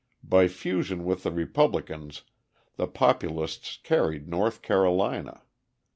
By fusion with the Republicans the Populists carried North Carolina.